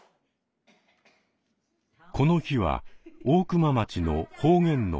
この日は大熊町の方言のクイズ大会。